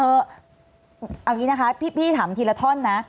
เอาอย่างนี้นะคะพี่ถามทีละท่อนนะ